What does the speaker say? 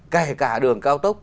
kể cả đường cao tốc